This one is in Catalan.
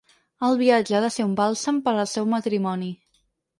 El viatge ha de ser un bàlsam per al seu matrimoni.